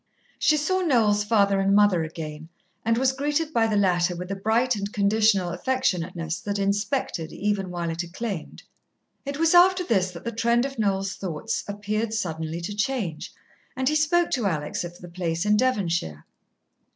She saw Noel's father and mother again, and was greeted by the latter with a bright and conditional affectionateness that inspected even while it acclaimed. It was after this that the trend of Noel's thoughts appeared suddenly to change, and he spoke to Alex of the place in Devonshire.